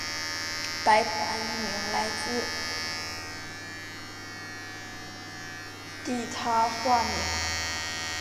白团一名就来自他化名的姓氏。